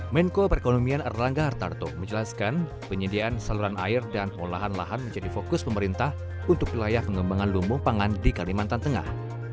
menko perekonomian erlangga hartarto menjelaskan penyediaan saluran air dan olahan lahan menjadi fokus pemerintah untuk wilayah pengembangan lumbung pangan di kalimantan tengah